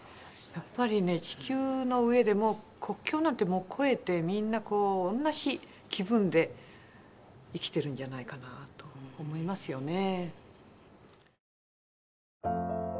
やっぱりね地球の上でもう国境なんて越えてみんな同じ気分で生きているんじゃないかなと思いますよね。